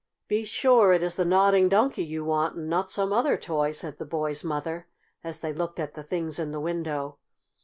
"Be sure it is the Nodding Donkey you want, and not some other toy," said the boy's mother, as they looked at the things in the window.